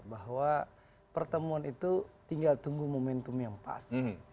bahwa pertemuan itu tinggal tunggu momentum yang pas